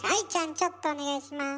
ちょっとお願いします。